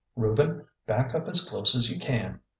Reuben, back up as close as you can.